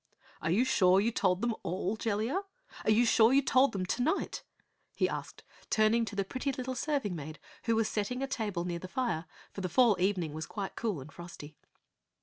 "Are you sure you told them all, Jellia? Are you sure you told them tonight?" he asked, turning to the pretty little serving maid who was setting a table near the fire, for the fall evening was quite cool and frosty.